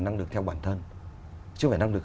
năng lực theo bản thân chứ phải năng lực